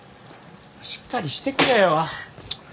しっかりしてくれよ。